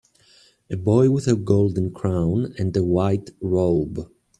A boy with a golden crown and a white robe.